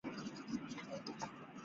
在学校的某一班。